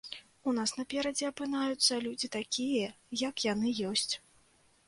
У нас наперадзе апынаюцца людзі такія, як яны ёсць.